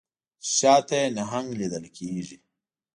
چې شا ته یې نهنګ لیدل کیږي